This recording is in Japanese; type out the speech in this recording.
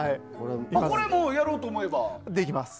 これもやろうと思えば？